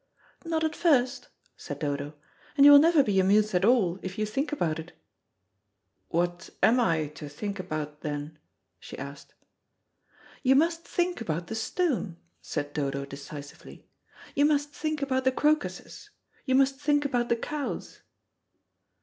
"Not at first," said Dodo; "and you will never be amused at all if you think about it." "What am I to think about then?" she asked. "You must think about the stone," said Dodo decisively, "you must think about the crocuses, you must think about the cows."